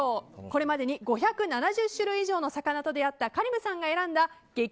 これまでに５７０種類以上の魚と出会った香里武さんが選んだ激